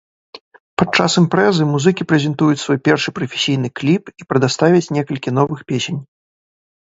Падчас імпрэзы музыкі прэзентуюць свой першы прафесійны кліп і прадаставяць некалькі новых песень.